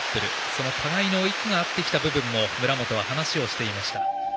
その互いの息が合ってきた部分を村元は話をしていました。